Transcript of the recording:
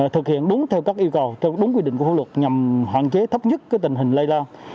thực hiện đúng theo các yêu cầu theo đúng quy định của phương luật nhằm hoạn chế thấp nhất tình hình lây lao